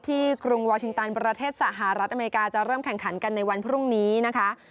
กรุงวอร์ชิงตันประเทศสหรัฐอเมริกาจะเริ่มแข่งขันกันในวันพรุ่งนี้นะคะ